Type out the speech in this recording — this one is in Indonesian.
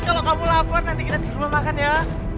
kalau kamu lapar nanti kita di rumah makan ya